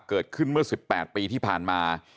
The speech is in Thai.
เกิดขึ้นเมื่อ๑๘ปีที่ผ่านมา